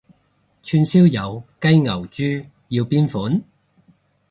串燒有雞牛豬要邊款？